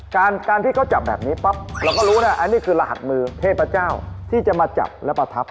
การที่เขาจับแบบนี้ปั๊บเราก็รู้นะอันนี้คือรหัสมือเทพเจ้าที่จะมาจับและประทับ